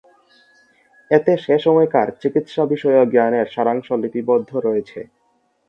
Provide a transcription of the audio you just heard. এতে সে সময়কার চিকিৎসা বিষয়ক জ্ঞানের সারাংশ লিপিবদ্ধ রয়েছে।